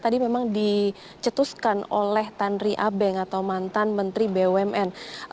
tadi memang dicetuskan oleh tanri abeng atau mantan menteri bumn